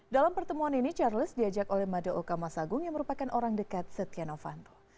dalam pertemuan ini charles diajak oleh mada okama sagung yang merupakan orang dekat setiano vanto